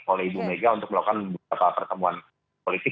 oleh ibu mega untuk melakukan beberapa pertemuan politik